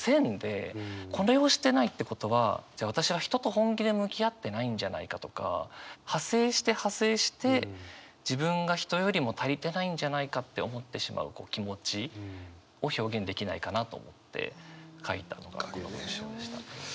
これをしてないってことはじゃあ私は人と本気で向き合ってないんじゃないかとか派生して派生して自分が人よりも足りてないんじゃないかって思ってしまう気持ちを表現できないかなと思って書いたのがこの文章でした。